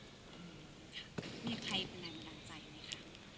มีใครเป็นใครมาดังใจไหมครับ